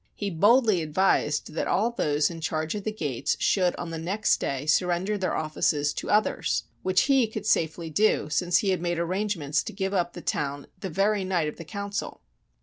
He boldly advised that all those in charge of the gates should on the next day sur render their offices to others — which he could safely do, since he had made arrangements to give up the town the very night of the council!